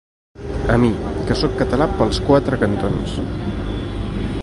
A mi, que sóc català pels quatre cantons.